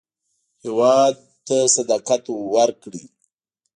هېواد ته صداقت ورکړئ